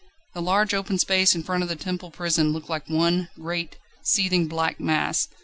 The large open space in front of the Temple Prison looked like one great, seething, black mass.